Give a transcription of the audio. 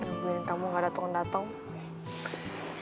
ngambilin kamu gak dateng dateng